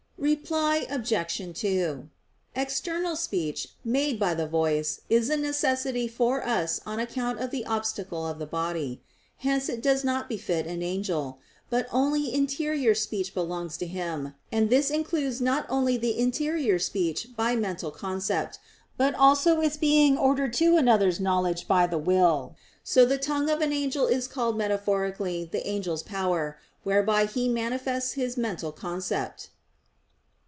Reply Obj. 2: External speech, made by the voice, is a necessity for us on account of the obstacle of the body. Hence it does not befit an angel; but only interior speech belongs to him, and this includes not only the interior speech by mental concept, but also its being ordered to another's knowledge by the will. So the tongue of an angel is called metaphorically the angel's power, whereby he manifests his mental concept.